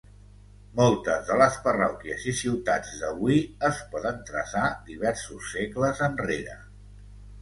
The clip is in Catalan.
Moltes de les parròquies i ciutats d'avui es poden traçar diversos segles enrere.